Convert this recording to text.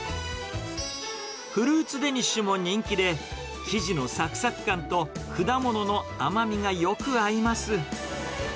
フルーツデニッシュも人気で、生地のさくさく感と果物の甘みがよく合います。